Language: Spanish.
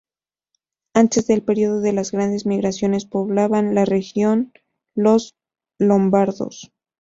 Antes del Período de las grandes migraciones poblaban la región los lombardos.